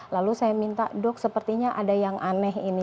lalu saya minta dok sepertinya ada yang aneh ini